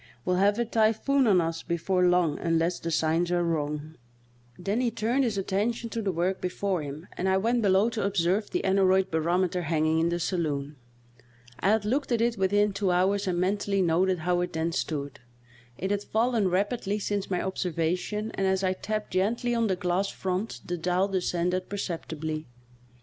We'll have a typhoon on us before long unless the signs are wrong." Then he turned his attention to the work before him and I went below to observe the aneroid barometer hanging in the saloon. I had looked at it within two hours and mentally noted how it then stood ; it had fallen rapidly since my observa tion, and as I tapped gently on the glass front the dial descended perceptibly.